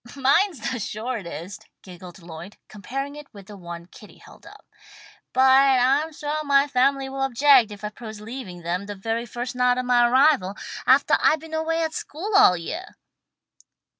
"Mine's the shortest," giggled Lloyd, comparing it with the one that Kitty held up. "But I'm suah my family will object if I propose leaving them the very first night of my arrival, aftah I've been away at school all yeah."